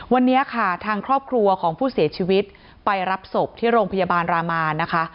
วันนี้ค่ะทางครอบครัวของผู้เสียชีวิตไปรับศพที่โรงพยาบาลรามานนะคะ